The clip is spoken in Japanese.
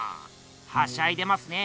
はしゃいでますね。